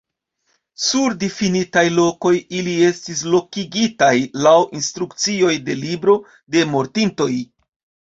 Sur difinitaj lokoj ili estis lokigitaj laŭ instrukcioj de libro de mortintoj.